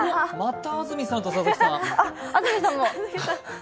安住さんと佐々木さん